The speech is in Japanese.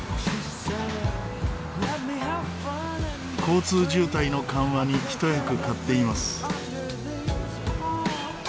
交通渋滞の緩和に一役買っています。